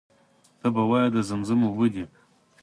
ته به وایې د زمزم اوبه دي.